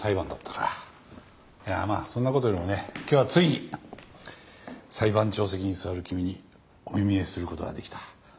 いやまあそんな事よりもね今日はついに裁判長席に座る君にお目見えする事ができた。